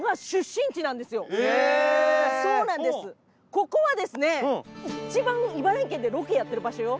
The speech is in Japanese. ここはですね一番茨城県でロケやってる場所よ。